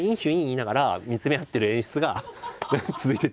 言いながら見つめ合ってる演出が続いてて。